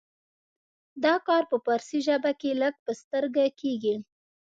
دا کار په فارسي ژبه کې لږ په سترګه کیږي.